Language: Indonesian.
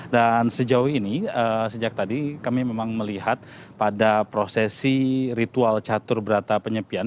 sejauh ini sejak tadi kami memang melihat pada prosesi ritual catur berata penyepian